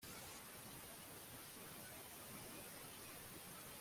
yahinduye inkota ye yizewe arakubita